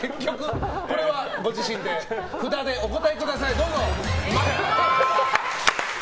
これはご自身で札でお答えください。